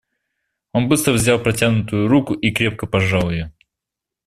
Он быстро взял протянутую руку и крепко пожал ее.